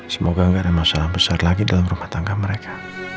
semoga gak ada masalah besar lagi dalam rumah tangga mereka